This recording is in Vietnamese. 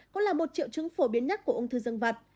cũng là một triệu chứng phổ biến nhất của ung thư dương vật